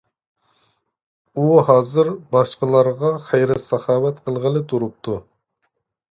- ئۇ ھازىر باشقىلارغا خەير- ساخاۋەت قىلغىلى تۇرۇپتۇ.